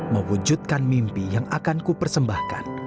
mewujudkan mimpi yang akan ku persembahkan